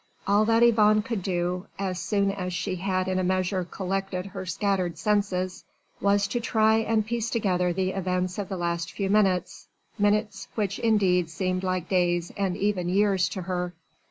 All that Yvonne could do, as soon as she had in a measure collected her scattered senses, was to try and piece together the events of the last few minutes minutes which indeed seemed like days and even years to her.